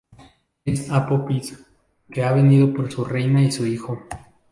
Es Apophis, que ha venido por su reina y su hijo.